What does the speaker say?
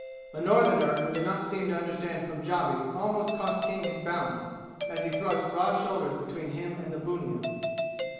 A Northerner who did not seem to understand Punjabi almost cost King his balance as he thrust broad shoulders between him and the bunnia.